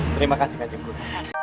terima kasih kak jemput